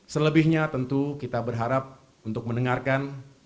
selebihnya tentu kita berharap untuk mendengarkan